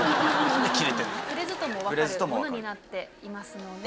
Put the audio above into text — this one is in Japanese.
触れずとも分かるものになっていますので。